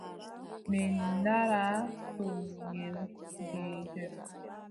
Min ndaara to ngel geetel.